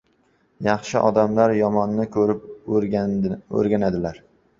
• Yaxshi odamlar yomonni ko‘rib o‘rganadilar.